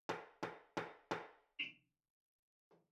出生于广岛县尾丸町的岛岛町的岩崎岛。